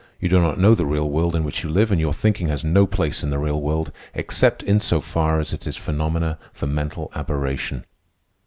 You do not know the real world in which you live, and your thinking has no place in the real world except in so far as it is phenomena of mental aberration.